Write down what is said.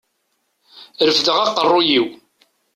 Refdeɣ aqerruy-iw.